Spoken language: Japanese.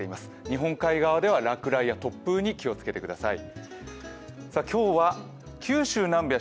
日本海側では落雷や突風に気をつけてください。